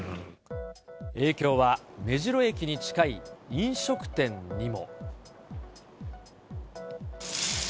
影響は、目白駅に近い飲食店にも。